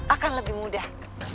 akan lebih mudah